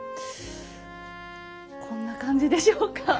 こんな感じでしょうか？